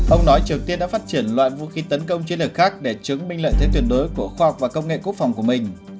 ông nói triều tiên đã phát triển loại vũ khí tấn công chiến lược khác để chứng minh lợi thế tuyệt đối của khoa học và công nghệ quốc phòng của mình